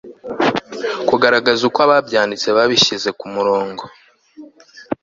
kugaragaza uko ababyanditse babishyize ku murongo